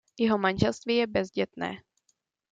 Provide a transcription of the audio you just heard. Jeho manželství je bezdětné.